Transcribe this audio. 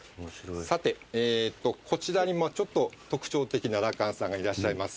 さてこちらにちょっと特徴的な羅漢さんがいらっしゃいます。